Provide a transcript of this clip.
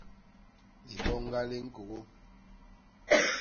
Liboñga li ñkôgô.